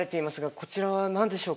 こちらは何でしょうか？